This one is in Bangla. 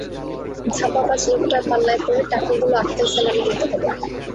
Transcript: ধাপাবাজ লােকটার পাল্লায় পড়ে টাকাগুলাে আক্কেল সেলামি দিতে হলাে।